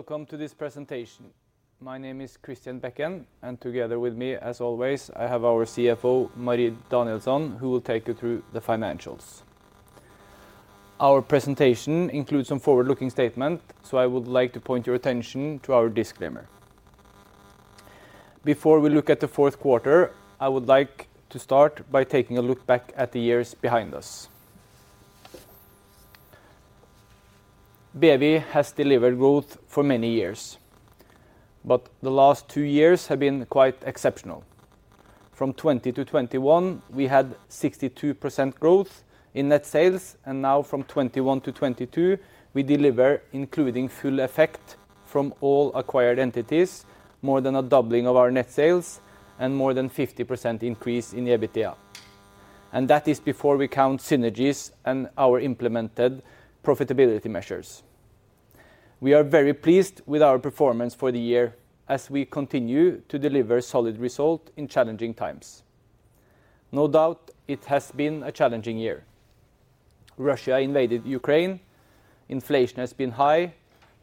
Welcome to this presentation. My name is Christian Bekken, and together with me, as always, I have our CFO, Marie Danielsson, who will take you through the financials. Our presentation includes some forward-looking statement, so I would like to point your attention to our disclaimer. Before we look at the fourth quarter, I would like to start by taking a look back at the years behind us. BEWI has delivered growth for many years, but the last two years have been quite exceptional. From 2020 to 2021, we had 62% growth in net sales, and now from 2021-2022, we deliver, including full effect from all acquired entities, more than a doubling of our net sales and more than 50% increase in the EBITDA. That is before we count synergies and our implemented profitability measures. We are very pleased with our performance for the year as we continue to deliver solid result in challenging times. No doubt, it has been a challenging year. Russia invaded Ukraine, inflation has been high,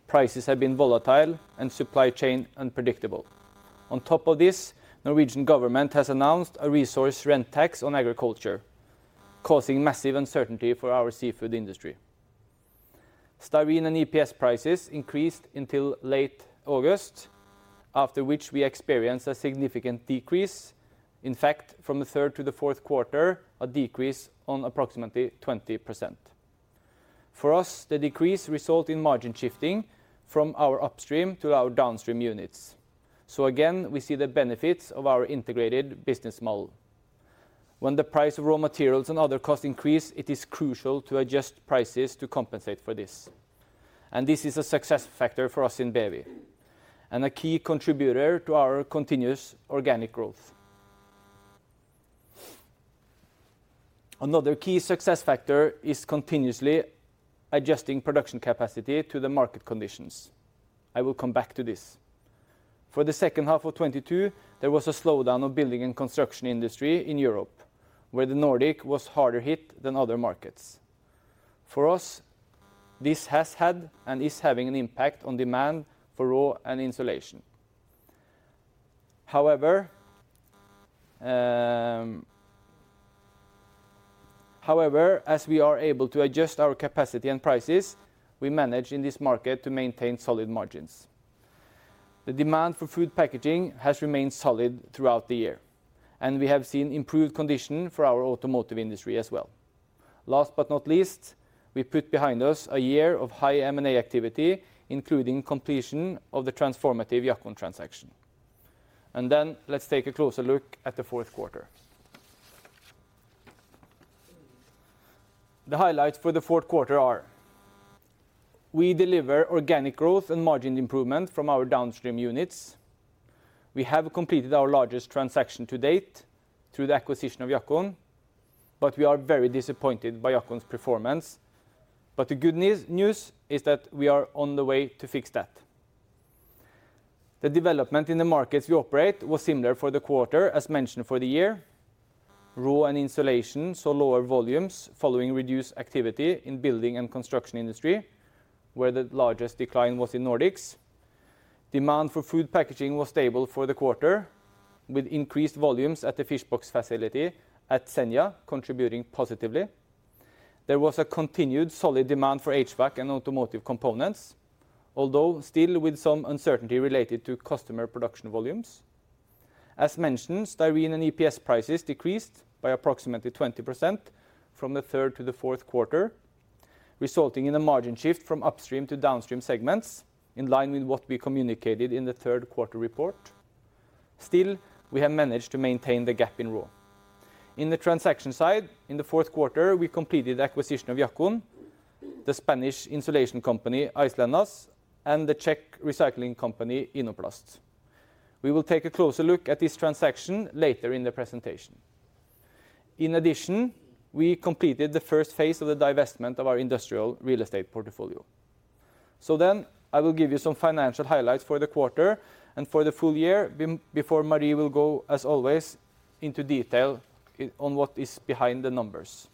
prices have been volatile, and supply chain unpredictable. On top of this, Norwegian government has announced a resource rent tax on agriculture, causing massive uncertainty for our seafood industry. Styrene and EPS prices increased until late August, after which we experienced a significant decrease. In fact, from the third to the fourth quarter, a decrease on approximately 20%. For us, the decrease result in margin shifting from our upstream to our downstream units. Again, we see the benefits of our integrated business model. When the price of raw materials and other costs increase, it is crucial to adjust prices to compensate for this. This is a success factor for us in BEWI and a key contributor to our continuous organic growth. Another key success factor is continuously adjusting production capacity to the market conditions. I will come back to this. For the second half of 22, there was a slowdown of building and construction industry in Europe, where the Nordic was harder hit than other markets. For us, this has had and is having an impact on demand for raw and insulation. However, as we are able to adjust our capacity and prices, we manage in this market to maintain solid margins. The demand for food packaging has remained solid throughout the year, and we have seen improved condition for our automotive industry as well. Last but not least, we put behind us a year of high M&A activity, including completion of the transformative Jackon transaction. Let's take a closer look at the fourth quarter. The highlights for the fourth quarter are we deliver organic growth and margin improvement from our downstream units. We have completed our largest transaction to date through the acquisition of Jackon, we are very disappointed by Jackon's performance. The good news is that we are on the way to fix that. The development in the markets we operate was similar for the quarter as mentioned for the year. Raw and insulation saw lower volumes following reduced activity in building and construction industry, where the largest decline was in Nordics. Demand for food packaging was stable for the quarter, with increased volumes at the fish box facility at Senja contributing positively. There was a continued solid demand for HVAC and automotive components, although still with some uncertainty related to customer production volumes. As mentioned, styrene and EPS prices decreased by approximately 20% from the third to the fourth quarter, resulting in a margin shift from upstream to downstream segments, in line with what we communicated in the third quarter report. Still, we have managed to maintain the gap in raw. In the transaction side, in the fourth quarter, we completed the acquisition of Jackon, the Spanish insulation company, Aislenvas, and the Czech recycling company, Inoplast. We will take a closer look at this transaction later in the presentation. In addition, we completed the first phase of the divestment of our industrial real estate portfolio. I will give you some financial highlights for the quarter and for the full year before Marie will go, as always, into detail on what is behind the numbers.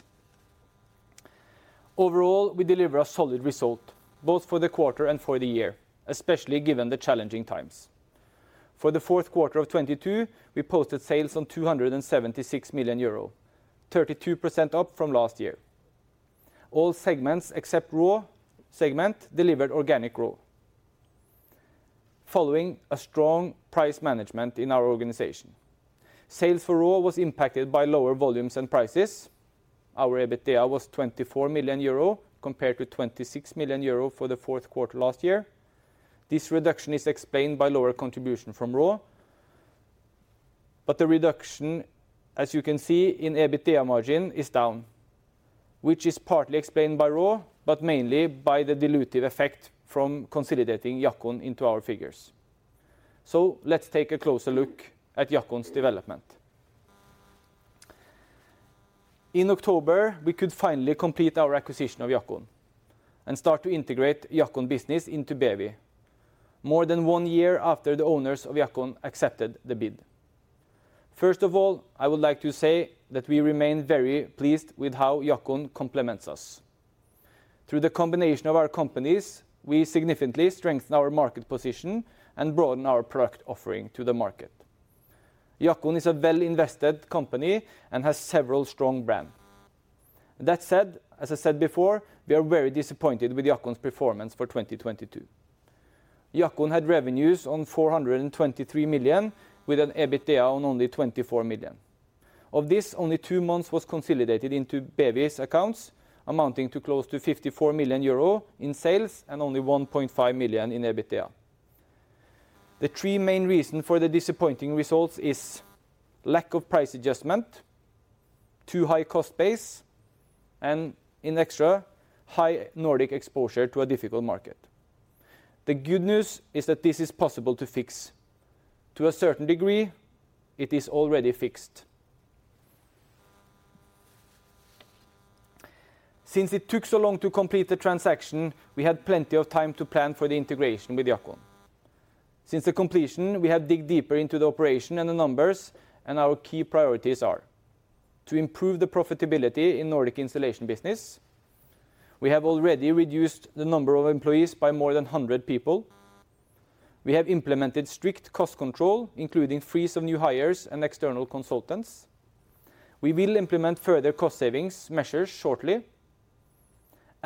Overall, we deliver a solid result, both for the quarter and for the year, especially given the challenging times. For the fourth quarter of 2022, we posted sales on 276 million euro, 32% up from last year. All segments except RAW segment delivered organic growth, following a strong price management in our organization. Sales for RAW was impacted by lower volumes and prices. Our EBITDA was 24 million euro compared to 26 million euro for the fourth quarter last year. This reduction is explained by lower contribution from RAW. The reduction, as you can see in EBITDA margin, is down, which is partly explained by RAW, but mainly by the dilutive effect from consolidating Jackon into our figures. Let's take a closer look at Jackon's development. In October, we could finally complete our acquisition of Jackon and start to integrate Jackon business into BEWI, more than one year after the owners of Jackon accepted the bid. First of all, I would like to say that we remain very pleased with how Jackon complements us. Through the combination of our companies, we significantly strengthen our market position and broaden our product offering to the market. Jackon is a well-invested company and has several strong brand. That said, as I said before, we are very disappointed with Jackon's performance for 2022. Jackon had revenues on 423 million, with an EBITDA on only 24 million. Of this, only two months was consolidated into BEWI's accounts, amounting to close to 54 million euro in sales and only 1.5 million in EBITDA. The three main reason for the disappointing results is lack of price adjustment, too high cost base, and in extra, high Nordic exposure to a difficult market. The good news is that this is possible to fix. To a certain degree, it is already fixed. Since it took so long to complete the transaction, we had plenty of time to plan for the integration with Jackon. Since the completion, we have digged deeper into the operation and the numbers, and our key priorities are: to improve the profitability in Nordic insulation business. We have already reduced the number of employees by more than 100 people. We have implemented strict cost control, including freeze of new hires and external consultants. We will implement further cost savings measures shortly.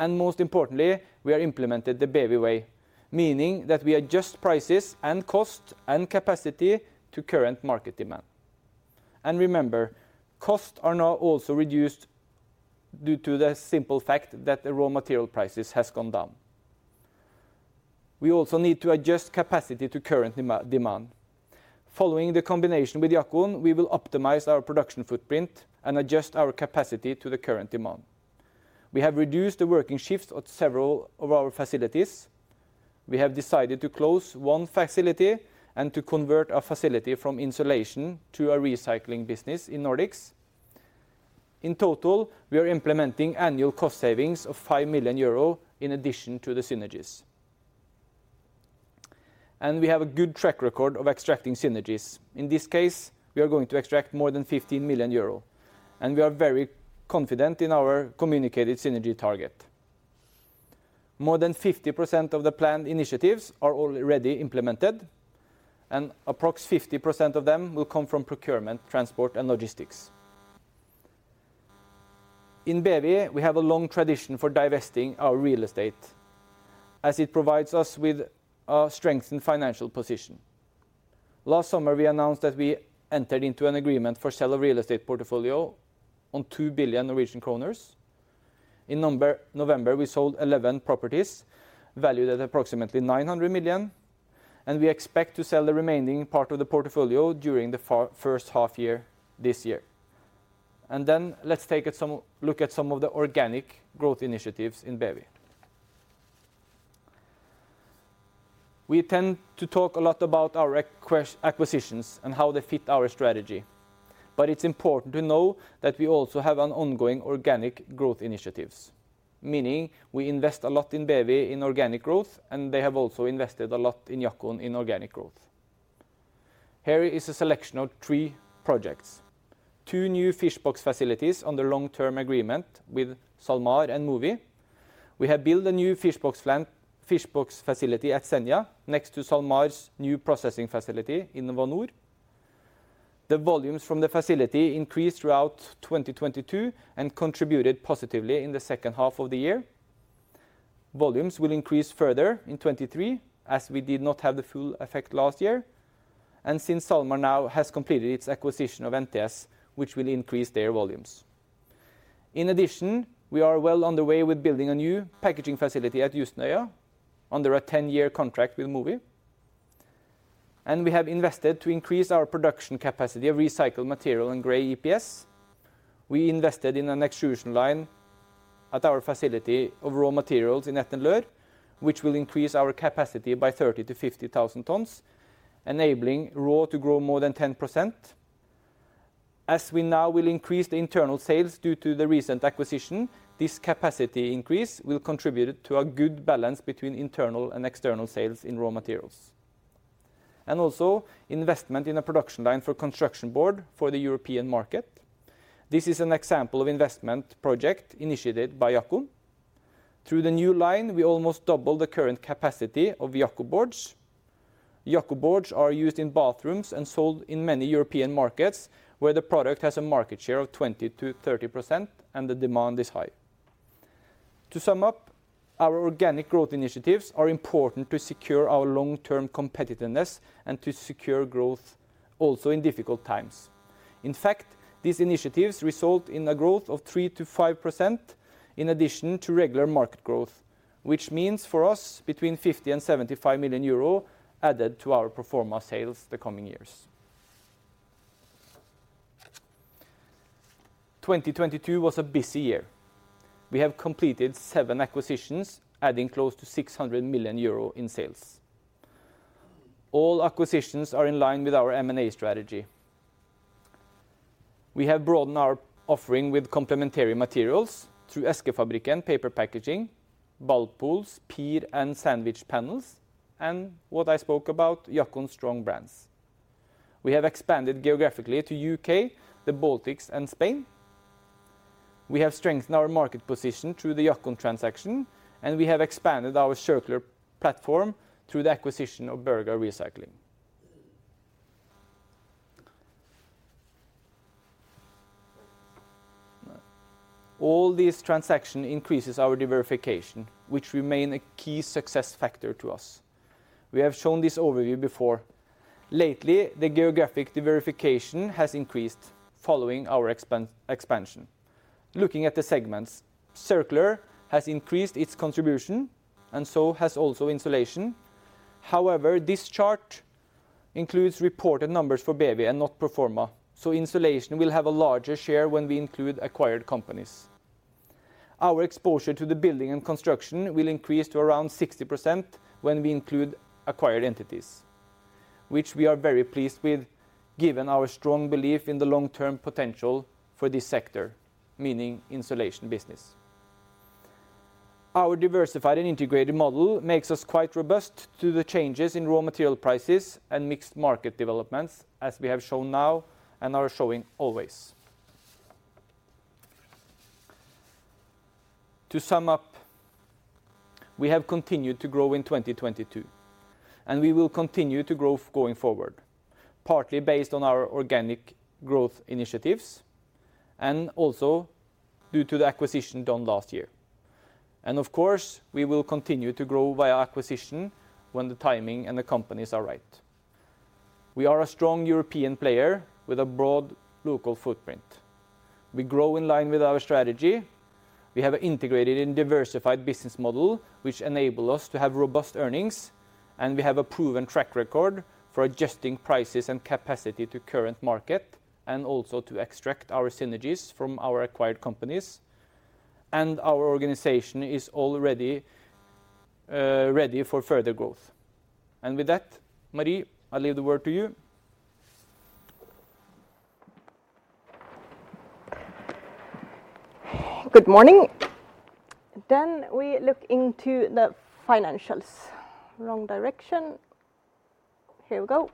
Most importantly, we are implemented the BEWI Way, meaning that we adjust prices and cost and capacity to current market demand. Remember, costs are now also reduced due to the simple fact that the raw material prices has gone down. We also need to adjust capacity to current demand. Following the combination with Jackon, we will optimize our production footprint and adjust our capacity to the current demand. We have reduced the working shifts at several of our facilities. We have decided to close one facility and to convert a facility from insulation to a recycling business in Nordics. In total, we are implementing annual cost savings of 5 million euro in addition to the synergies. We have a good track record of extracting synergies. In this case, we are going to extract more than 15 million euro, and we are very confident in our communicated synergy target. More than 50% of the planned initiatives are already implemented, and approx 50% of them will come from procurement, transport, and logistics. In BEWI, we have a long tradition for divesting our real estate, as it provides us with a strengthened financial position. Last summer, we announced that we entered into an agreement for sell of real estate portfolio on 2 billion Norwegian kroner. In November, we sold 11 properties valued at approximately 900 million, and we expect to sell the remaining part of the portfolio during the first half year this year. Let's look at some of the organic growth initiatives in BEWI. We tend to talk a lot about our acquisitions and how they fit our strategy, but it's important to know that we also have an ongoing organic growth initiatives, meaning we invest a lot in BEWI in organic growth, and they have also invested a lot in Jackon in organic growth. Here is a selection of three projects. Two new fish box facilities on the long-term agreement with SalMar and Mowi. We have built a new fish box facility at Senja next to SalMar's new processing facility in InnovaNor. The volumes from the facility increased throughout 2022 and contributed positively in the second half of the year. Volumes will increase further in 2023, as we did not have the full effect last year, and since SalMar now has completed its acquisition of NTS, which will increase their volumes. In addition, we are well on the way with building a new packaging facility at Jøsnøya under a 10-year contract with Mowi. We have invested to increase our production capacity of recycled material and Grey EPS. We invested in an extrusion line at our facility of raw materials in Etten-Leur, which will increase our capacity by 30,000-50,000 tons, enabling raw to grow more than 10%. As we now will increase the internal sales due to the recent acquisition, this capacity increase will contribute to a good balance between internal and external sales in raw materials. Also investment in a production line for construction board for the European market. This is an example of investment project initiated by Jackon. Through the new line, we almost double the current capacity of Jackon boards. Jackon boards are used in bathrooms and sold in many European markets where the product has a market share of 20%-30% and the demand is high. To sum up, our organic growth initiatives are important to secure our long-term competitiveness and to secure growth also in difficult times. In fact, these initiatives result in a growth of 3%-5% in addition to regular market growth, which means for us between 50 million and 75 million euro added to our pro forma sales the coming years. 2022 was a busy year. We have completed seven acquisitions, adding close to 600 million euro in sales. All acquisitions are in line with our M&A strategy. We have broadened our offering with complementary materials through Eskefabrikk and Paper Packaging, ball pools, PIR and sandwich panels, and what I spoke about, Jackon's strong brands. We have expanded geographically to U.K., the Baltics, and Spain. We have strengthened our market position through the Jackon transaction, and we have expanded our Circular platform through the acquisition of Berga Recycling. All these transaction increases our diversification, which remain a key success factor to us. We have shown this overview before. Lately, the geographic diversification has increased following our expansion. Looking at the segments, Circular has increased its contribution and so has also Insulation. However, this chart includes reported numbers for BEWI and not pro forma, so Insulation will have a larger share when we include acquired companies. Our exposure to the building and construction will increase to around 60% when we include acquired entities, which we are very pleased with given our strong belief in the long-term potential for this sector, meaning Insulation business. Our diversified and integrated model makes us quite robust to the changes in raw material prices and mixed market developments, as we have shown now and are showing always. To sum up, we have continued to grow in 2022, and we will continue to grow going forward, partly based on our organic growth initiatives and also due to the acquisition done last year. Of course, we will continue to grow via acquisition when the timing and the companies are right. We are a strong European player with a broad local footprint. We grow in line with our strategy. We have integrated in diversified business model, which enable us to have robust earnings, and we have a proven track record for adjusting prices and capacity to current market, and also to extract our synergies from our acquired companies. Our organization is already ready for further growth. With that, Marie, I leave the word to you. Good morning. We look into the financials. Wrong direction. Here we go.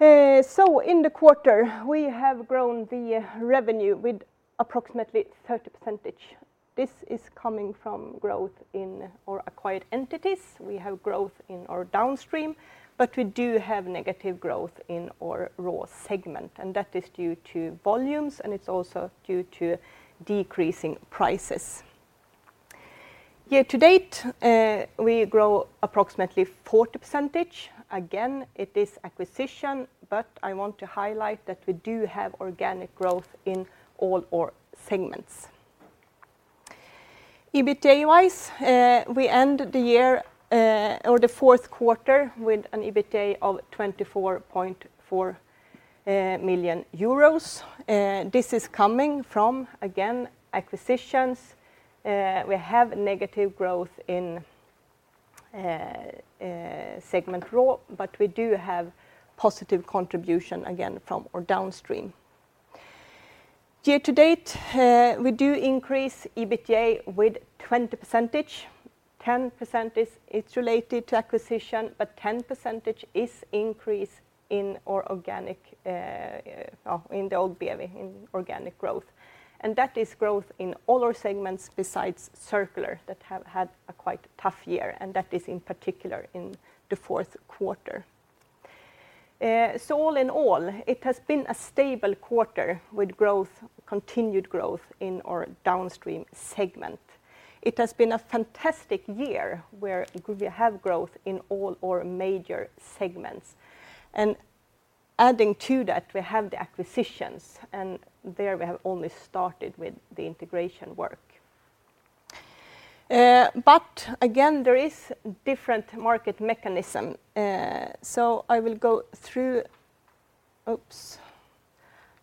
In the quarter, we have grown the revenue with approximately 30%. This is coming from growth in our acquired entities. We have growth in our downstream, but we do have negative growth in our raw segment, and that is due to volumes, and it's also due to decreasing prices. Year-to-date, we grow approximately 40%. It is acquisition, but I want to highlight that we do have organic growth in all our segments. EBITDA-wise, we end the year, or the fourth quarter with an EBITDA of 24.4 million euros. This is coming from, again, acquisitions. We have negative growth in segment raw, but we do have positive contribution again from our downstream. Year-to-date, we do increase EBITDA with 20%. 10% is related to acquisition, but 10% is increase in our organic, in the old BEWI, in organic growth. That is growth in all our segments besides Circular that have had a quite tough year, and that is in particular in the fourth quarter. All in all, it has been a stable quarter with growth, continued growth in our downstream segment. It has been a fantastic year where we have growth in all our major segments. Adding to that, we have the acquisitions, and there we have only started with the integration work. Again, there is different market mechanism, so I will go through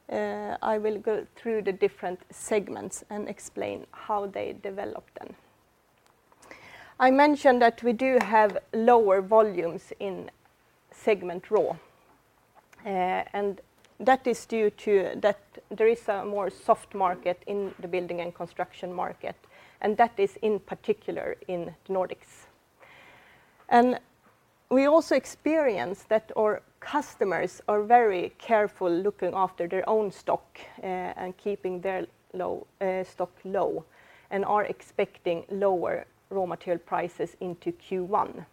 the different segments and explain how they develop then. I mentioned that we do have lower volumes in segment RAW, and that is due to that there is a more soft market in the building and construction market, and that is in particular in Nordics. We also experience that our customers are very careful looking after their own stock, and keeping their low stock low, and are expecting lower raw material prices into Q1.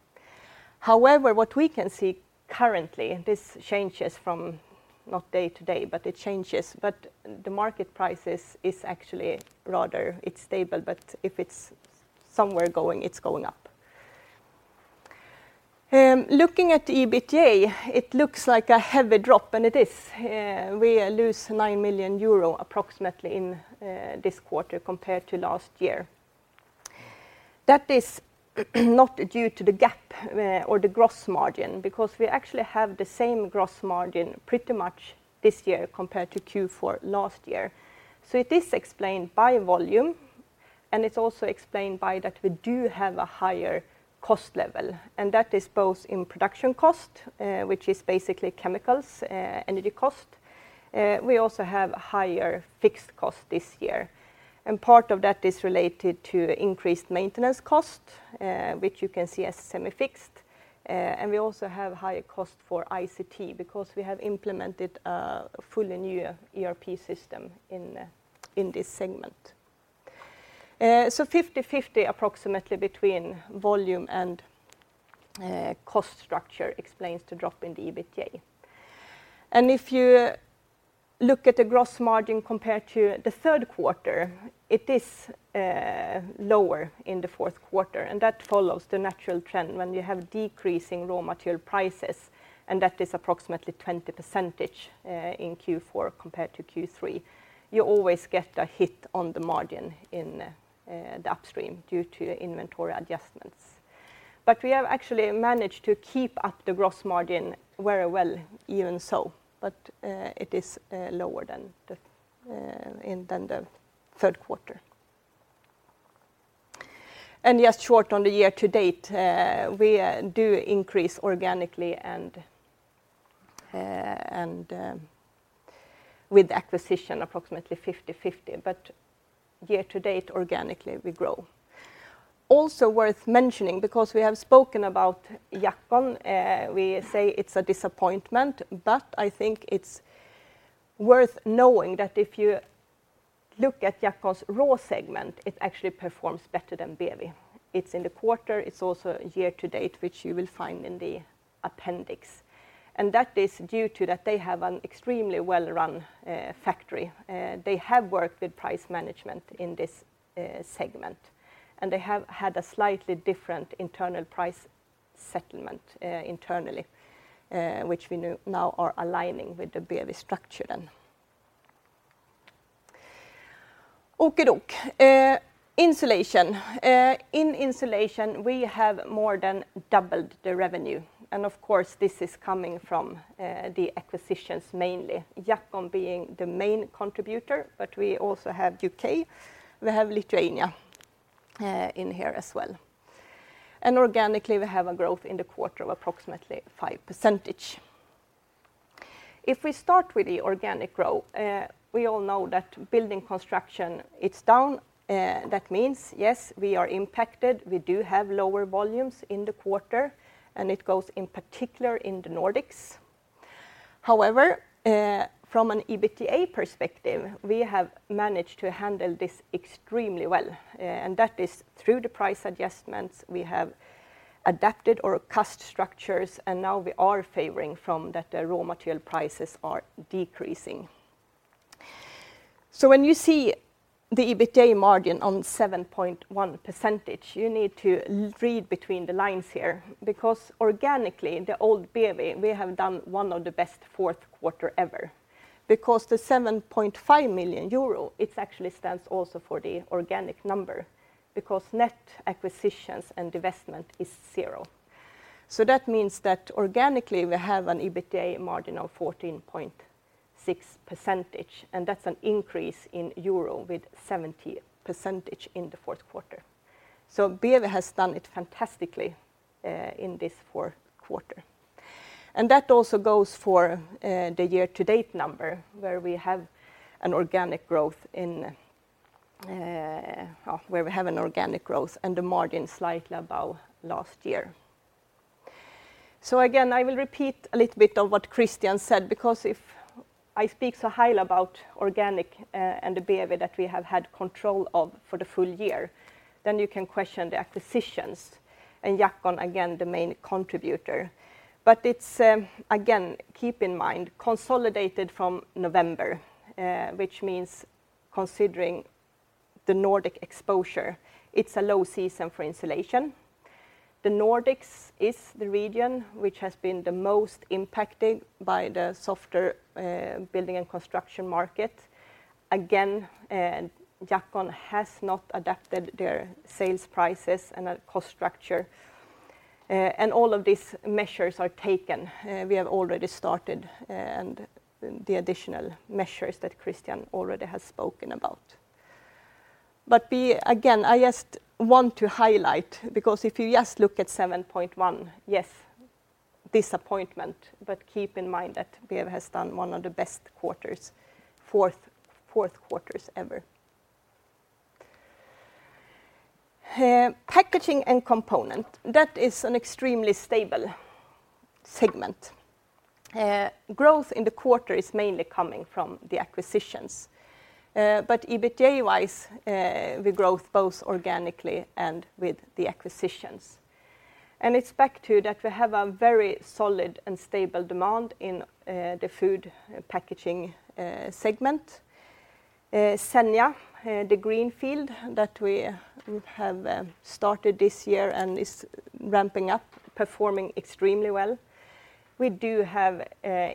What we can see currently, this changes from not day to day, but it changes. The market prices is actually rather, it's stable, but if it's somewhere going, it's going up. Looking at EBITDA, it looks like a heavy drop, and it is. We lose 9 million euro approximately in this quarter compared to last year. That is not due to the gap or the gross margin because we actually have the same gross margin pretty much this year compared to Q4 last year. It is explained by volume. It's also explained by that we do have a higher cost level, and that is both in production cost, which is basically chemicals, energy cost. We also have higher fixed cost this year. Part of that is related to increased maintenance cost, which you can see as semi-fixed. We also have higher cost for ICT because we have implemented a fully new ERP system in this segment. 50/50 approximately between volume and cost structure explains the drop in the EBITDA. If you look at the gross margin compared to the third quarter, it is lower in the fourth quarter, and that follows the natural trend when you have decreasing raw material prices, and that is approximately 20% in Q4 compared to Q3. You always get a hit on the margin in the upstream due to inventory adjustments. We have actually managed to keep up the gross margin very well even so. It is lower than the third quarter. Just short on the year-to-date, we do increase organically and with acquisition approximately 50/50, but year-to-date organically we grow. Also worth mentioning because we have spoken about Jackon, we say it's a disappointment, but I think it's worth knowing that if you look at Jackon's raw segment, it actually performs better than BEWI. It's in the quarter, it's also year-to-date, which you will find in the appendix. That is due to that they have an extremely well-run factory. They have worked with price management in this segment, and they have had a slightly different internal price settlement internally, which we now are aligning with the BEWI structure then. Insulation. In insulation, we have more than doubled the revenue. Of course, this is coming from the acquisitions mainly, Jackon being the main contributor, but we also have U.K., we have Lithuania in here as well. Organically, we have a growth in the quarter of approximately 5%. If we start with the organic growth, we all know that building construction, it's down. That means, yes, we are impacted. We do have lower volumes in the quarter, and it goes in particular in the Nordics. However, from an EBITDA perspective, we have managed to handle this extremely well, and that is through the price adjustments we have adapted our cost structures, and now we are favoring from that the raw material prices are decreasing. When you see the EBITDA margin on 7.1%, you need to read between the lines here because organically, the old BEWI, we have done one of the best fourth quarter ever. The 7.5 million euro, it actually stands also for the organic number because net acquisitions and divestment is zero. That means that organically we have an EBITDA margin of 14.6%, and that's an increase in euro with 70% in the fourth quarter. BEWI has done it fantastically in this fourth quarter. That also goes for the year-to-date number, where we have an organic growth and the margin slightly above last year. Again, I will repeat a little bit of what Christian said, because if I speak so highly about organic, and the BEWI that we have had control of for the full year, then you can question the acquisitions, and Jackon again, the main contributor. It's, again, keep in mind, consolidated from November, which means considering the Nordic exposure, it's a low season for insulation. The Nordics is the region which has been the most impacted by the softer building and construction market. Jackon has not adapted their sales prices and cost structure. All of these measures are taken. We have already started, and the additional measures that Christian already has spoken about. I just want to highlight because if you just look at 7.1, yes, disappointment, but keep in mind that BEWI has done one of the best fourth quarters ever. Packaging and component, that is an extremely stable segment. Growth in the quarter is mainly coming from the acquisitions. EBITDA-wise, we growth both organically and with the acquisitions. It's back to that we have a very solid and stable demand in the food packaging segment. Senja, the greenfield that we have started this year and is ramping up, performing extremely well. We do have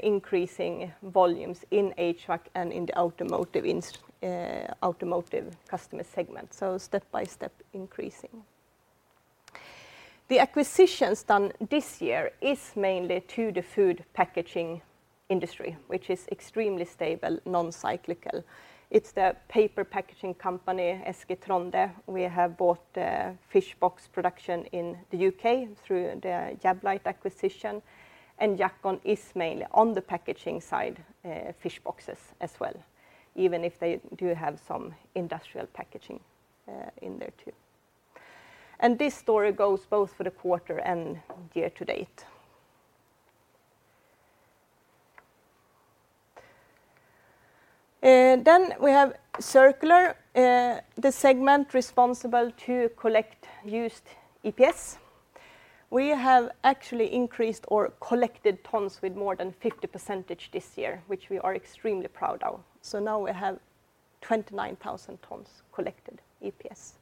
increasing volumes in HVAC and in the automotive customer segment. Step-by-step increasing. The acquisitions done this year is mainly to the food packaging industry, which is extremely stable, non-cyclical. It's the paper packaging company, Trondhjems Eskefabrikk. We have bought fish box production in the U.K. through the Jablite acquisition, and Jackon is mainly on the packaging side, fish boxes as well, even if they do have some industrial packaging in there too. This story goes both for the quarter and year-to-date. Then we have Circular, the segment responsible to collect used EPS. We have actually increased or collected tons with more than 50% this year, which we are extremely proud of. Now we have 29,000 tons collected EPS.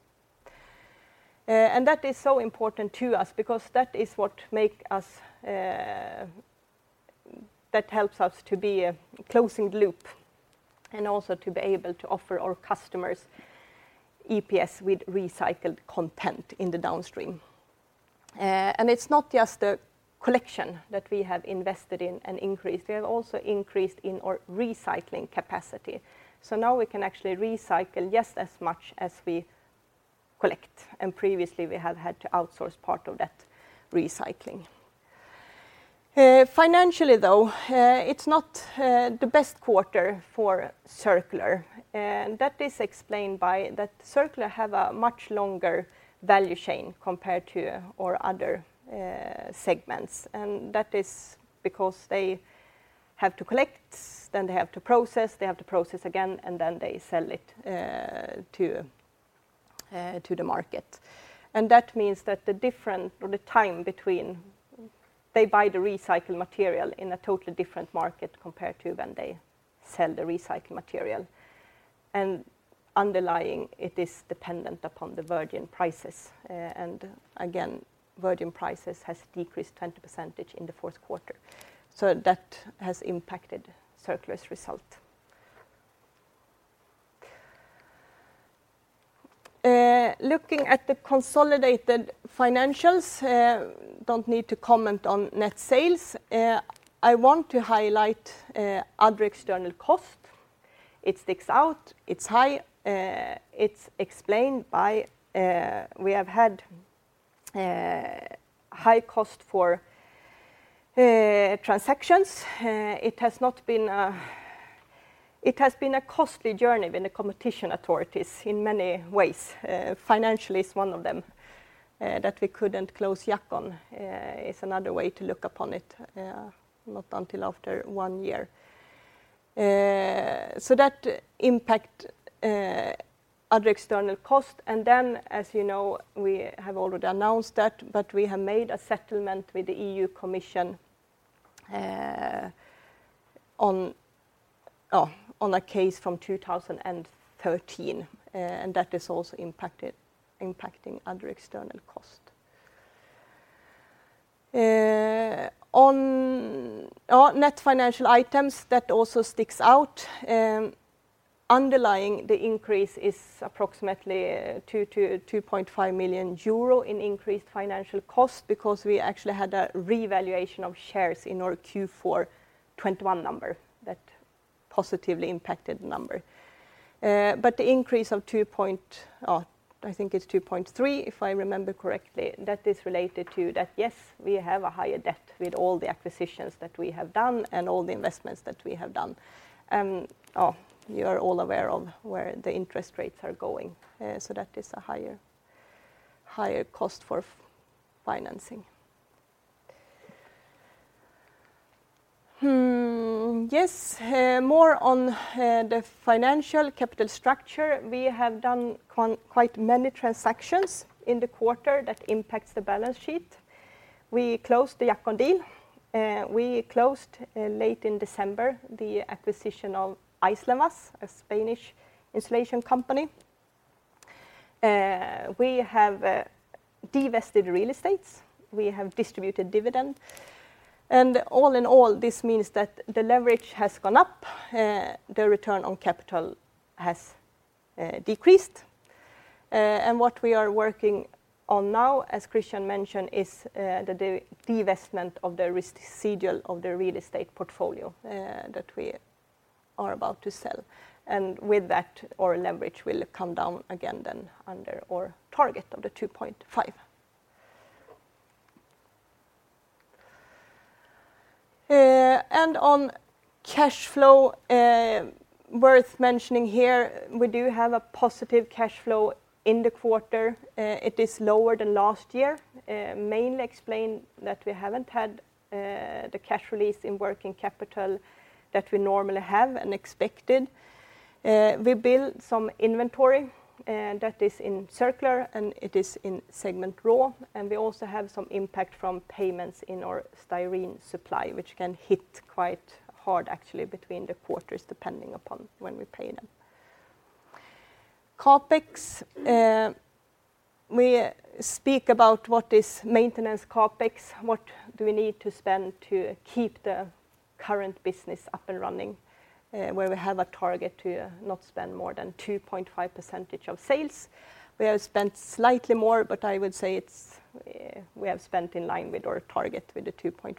That is so important to us because that is what make us, that helps us to be a closing loop and also to be able to offer our customers EPS with recycled content in the downstream. It's not just the collection that we have invested in and increased. We have also increased in our recycling capacity. Now we can actually recycle just as much as we collect, and previously we have had to outsource part of that recycling. Financially though, it's not the best quarter for Circular. That is explained by that Circular have a much longer value chain compared to our other segments. That is because they have to collect, then they have to process, they have to process again, and then they sell it to the market. That means that the time between they buy the recycled material in a totally different market compared to when they sell the recycled material. Underlying it is dependent upon the virgin prices, and again, virgin prices has decreased 20% in the fourth quarter. That has impacted Circular's result. Looking at the consolidated financials, don't need to comment on net sales. I want to highlight other external cost. It sticks out. It's high. It's explained by, we have had high cost for transactions. It has not been, it has been a costly journey with the competition authorities in many ways. Financially is one of them, that we couldn't close Jackon, is another way to look upon it, not until after one year. That impact other external cost, then as you know, we have already announced that, we have made a settlement with the European Commission, on a case from 2013, that is also impacting other external cost. On our net financial items, that also sticks out. Underlying the increase is approximately 2 million-2.5 million euro in increased financial cost because we actually had a revaluation of shares in our Q4 2021 number that positively impacted the number. The increase of 2.3, if I remember correctly, that is related to that, yes, we have a higher debt with all the acquisitions that we have done and all the investments that we have done. You're all aware of where the interest rates are going, that is a higher cost for financing. Yes, more on the financial capital structure. We have done quite many transactions in the quarter that impacts the balance sheet. We closed the Jackon deal. We closed late in December the acquisition of Aislenvas, a Spanish insulation company. We have divested real estates. We have distributed dividend. All in all, this means that the leverage has gone up, the return on capital has decreased. What we are working on now, as Christian mentioned, is the divestment of the residual of the real estate portfolio that we are about to sell. With that, our leverage will come down again then under our target of 2.5. On cash flow, worth mentioning here, we do have a positive cash flow in the quarter. It is lower than last year, mainly explained that we haven't had the cash release in working capital that we normally have and expected. We built some inventory that is in Circular, and it is in segment Raw. We also have some impact from payments in our styrene supply, which can hit quite hard actually between the quarters depending upon when we pay them. CapEx, we speak about what is maintenance CapEx, what do we need to spend to keep the current business up and running, where we have a target to not spend more than 2.5% of sales. We have spent slightly more, but I would say it's, we have spent in line with our target with the 2.5.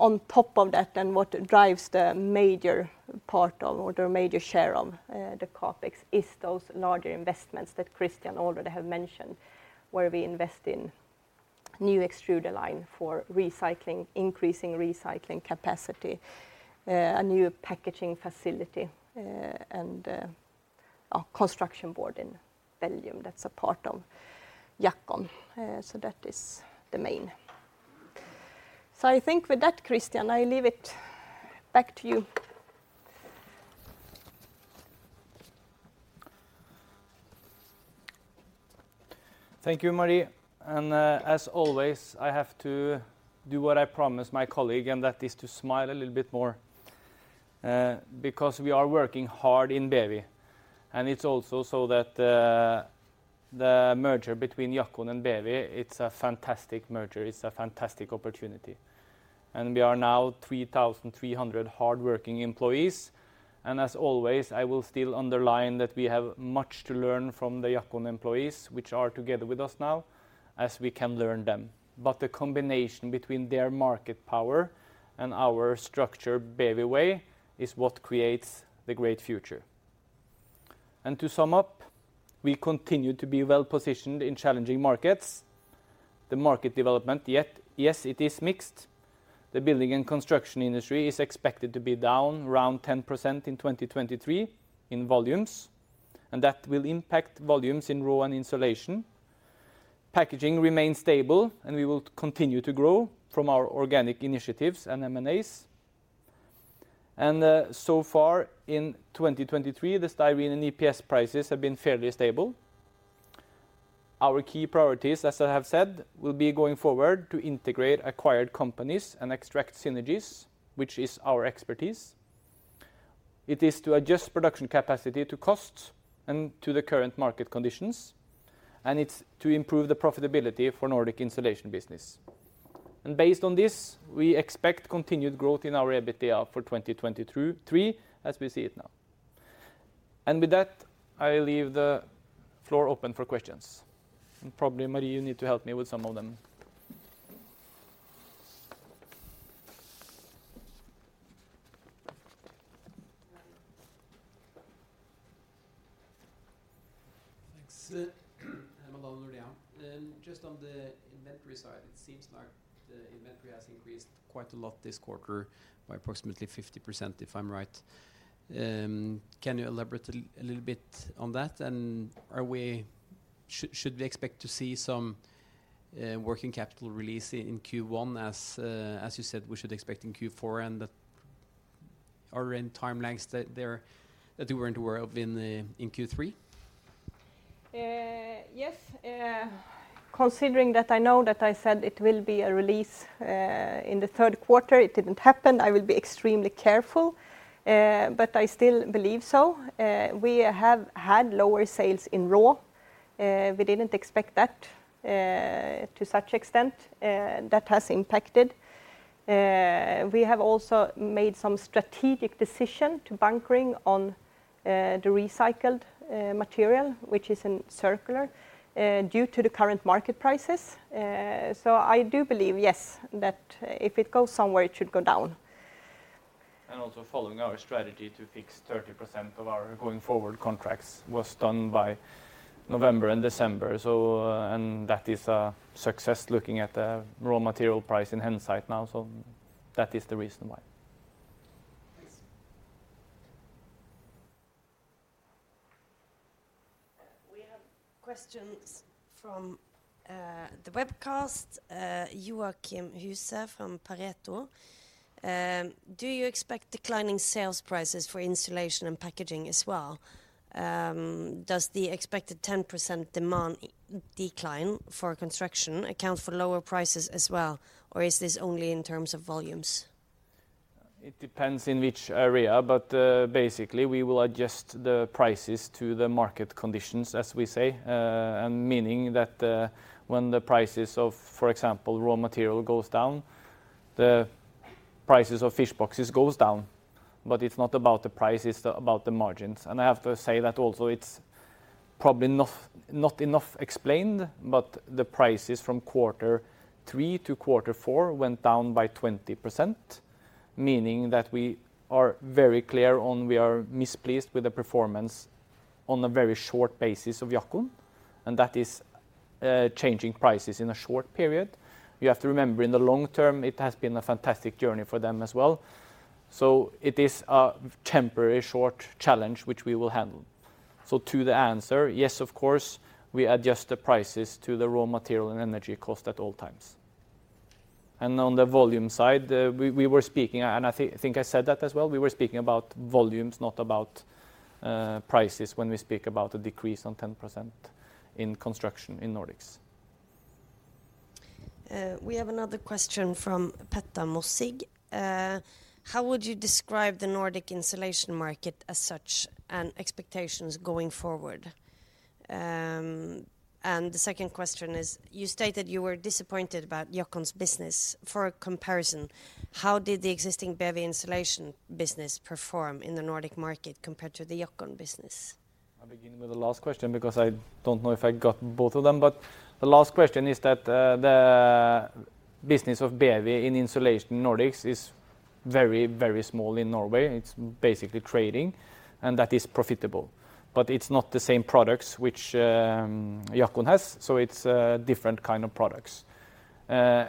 On top of that, and what drives the major part of, or the major share of, the CapEx is those larger investments that Christian already have mentioned, where we invest in new extruder line for recycling, increasing recycling capacity, a new packaging facility, and a construction board in Belgium that's a part of Jackon. That is the main. I think with that, Christian, I leave it back to you. Thank you, Marie. As always, I have to do what I promised my colleague, and that is to smile a little bit more because we are working hard in BEWI. It's also so that the merger between Jackon and BEWI, it's a fantastic merger. It's a fantastic opportunity. We are now 3,300 hardworking employees. As always, I will still underline that we have much to learn from the Jackon employees, which are together with us now, as we can learn them. The combination between their market power and our structure BEWI Way is what creates the great future. To sum up, we continue to be well-positioned in challenging markets. The market development -- yes, it is mixed. The building and construction industry is expected to be down around 10% in 2023 in volumes. That will impact volumes in RAW and insulation. Packaging remains stable. We will continue to grow from our organic initiatives and M&As. So far in 2023, the styrene and EPS prices have been fairly stable. Our key priorities, as I have said, will be going forward to integrate acquired companies and extract synergies, which is our expertise. It is to adjust production capacity to cost and to the current market conditions. It's to improve the profitability for Nordic Insulation business. Based on this, we expect continued growth in our EBITDA for 2023 as we see it now. With that, I leave the floor open for questions. Probably, Marie, you need to help me with some of them. Thanks. I'm alone over here. Just on the inventory side, it seems like the inventory has increased quite a lot this quarter by approximately 50%, if I'm right. Can you elaborate a little bit on that? Should we expect to see some working capital release in Q1 as you said we should expect in Q4? Are there any timelines that you were into in Q3? Yes. Considering that I know that I said it will be a release in the third quarter, it didn't happen. I will be extremely careful. I still believe so. We have had lower sales in RAW. We didn't expect that to such extent. That has impacted. We have also made some strategic decision to bunkering on the recycled material, which is in Circular, due to the current market prices. I do believe, yes, that if it goes somewhere, it should go down. Also following our strategy to fix 30% of our going forward contracts was done by November and December. That is a success looking at the raw material price in hindsight now. That is the reason why. Thanks. We have questions from the webcast, Joachim Huse from Pareto. Do you expect declining sales prices for insulation and packaging as well? Does the expected 10% demand decline for construction account for lower prices as well, or is this only in terms of volumes? It depends in which area, but, basically, we will adjust the prices to the market conditions, as we say, and meaning that, when the prices of, for example, raw material goes down, the prices of fish boxes goes down. It's not about the price, it's about the margins. I have to say that also it's probably not enough explained, but the prices from quarter three to quarter four went down by 20%, meaning that we are very clear on we are displeased with the performance on a very short basis of Jackon, and that is, changing prices in a short period. You have to remember, in the long term, it has been a fantastic journey for them as well. It is a temporary short challenge which we will handle. To the answer, yes, of course, we adjust the prices to the raw material and energy cost at all times. On the volume side, we were speaking, and I think I said that as well, we were speaking about volumes, not about, prices when we speak about a decrease on 10% in construction in Nordics. We have another question from Petter Mossig. How would you describe the Nordic insulation market as such and expectations going forward? The second question is, you stated you were disappointed about Jackon's business. For a comparison, how did the existing BEWI Insulation business perform in the Nordic market compared to the Jackon business? I'll begin with the last question because I don't know if I got both of them. The last question is that the business of BEWI in Insulation Nordics is very, very small in Norway. It's basically trading, and that is profitable. It's not the same products which Jackon has, so it's different kind of products.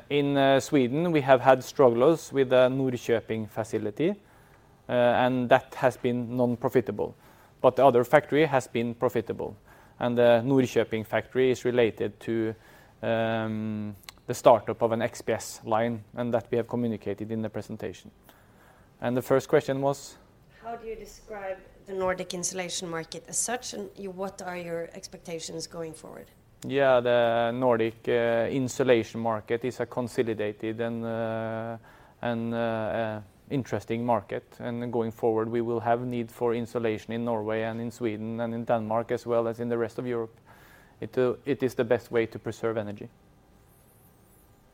In Sweden, we have had struggles with the Norrköping facility, and that has been non-profitable. The other factory has been profitable, and the Norrköping factory is related to the startup of an XPS line, and that we have communicated in the presentation. The first question was? How do you describe the Nordic insulation market as such, and what are your expectations going forward? Yeah, the Nordic insulation market is a consolidated and interesting market. Going forward, we will have need for insulation in Norway and in Sweden and in Denmark, as well as in the rest of Europe. It is the best way to preserve energy.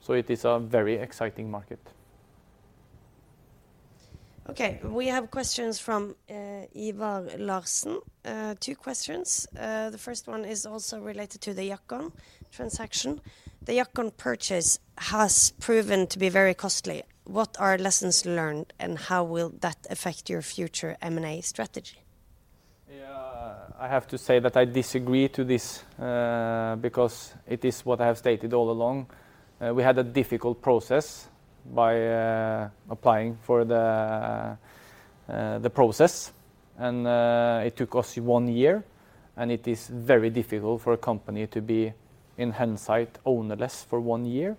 It is a very exciting market. Okay, we have questions from Ivar Larsen. Two questions. The first one is also related to the Jackon transaction. The Jackon purchase has proven to be very costly. What are lessons learned, and how will that affect your future M&A strategy? Yeah. I have to say that I disagree to this, because it is what I have stated all along. We had a difficult process by applying for the process, and it took us one year, and it is very difficult for a company to be, in hindsight, ownerless for one year,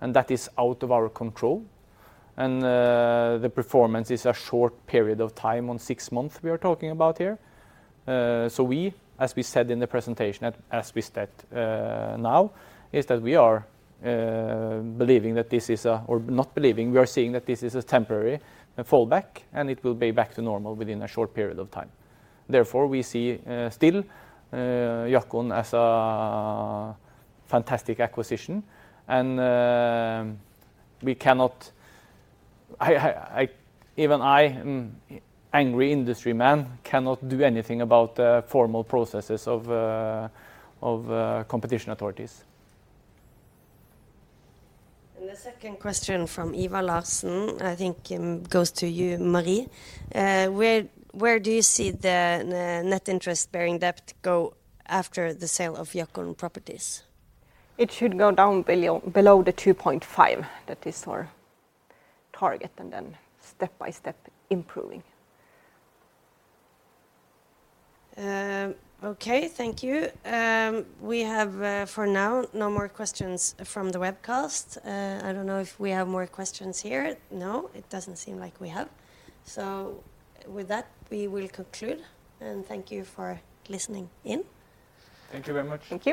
and that is out of our control. The performance is a short period of time, on six month we are talking about here. We, as we said in the presentation, as we said, now, is that we are believing that this is a... or not believing, we are seeing that this is a temporary fallback, and it will be back to normal within a short period of time. We see, still, Jackon as a fantastic acquisition and, I... Even I, an angry industry man, cannot do anything about the formal processes of competition authorities. The second question from Ivar Larsen, I think, goes to you, Marie. Where do you see the net interest-bearing debt go after the sale of Jackon properties? It should go down below the 2.5. That is our target, and then step-by-step improving. Okay, thank you. We have, for now, no more questions from the webcast. I don't know if we have more questions here. No, it doesn't seem like we have. With that, we will conclude, and thank you for listening in. Thank you very much. Thank you.